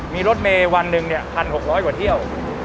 มีรถเมย์วันหนึ่ง๑๖๐๐กว่าเที่ยว